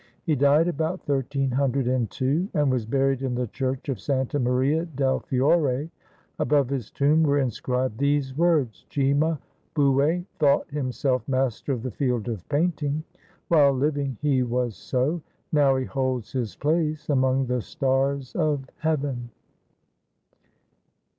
He died about 1302, and was buried in the Church of Santa Maria del Fiore; above his tomb were inscribed these words: "Cimabue thought himself master of the field of painting. While living, he was so. Now he holds his place among the stars of heaven."